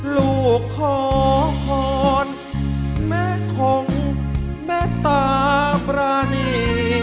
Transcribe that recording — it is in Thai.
ลูกขอขอนแม่ของแม่ตาบราณี